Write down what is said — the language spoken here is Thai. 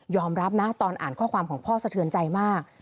รับนะตอนอ่านข้อความของพ่อสะเทือนใจมาก